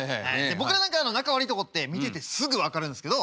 僕らなんか仲悪いとこって見ててすぐ分かるんですけど。